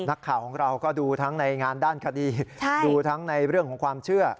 นักข่าวของเราก็ดูทั้งในงานด้านคดีดูทั้งในเรื่องของความเชื่อ